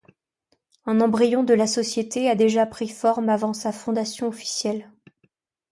Un embryon de la société a déjà pris forme avant sa fondation officielle.